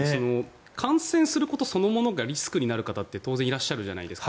感染することそのものがリスクになる方って当然いらっしゃるじゃないですか。